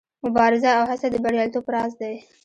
مبارزه او هڅه د بریالیتوب راز دی.